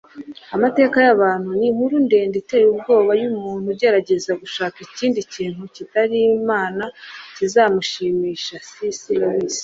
amateka y'abantu ni inkuru ndende iteye ubwoba y'umuntu ugerageza gushaka ikindi kintu kitari imana kizamushimisha - c s lewis